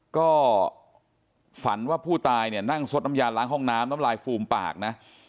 ก็ฝันว่าผู้ตายเนี่ยนั่งซดน้ำยาล้างห้องน้ำน้ำลายฟูมปากนะ